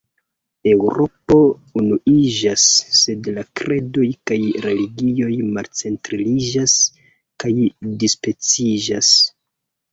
Eŭropo unuiĝas, sed la kredoj kaj religioj malcentraliĝas kaj dispeciĝas.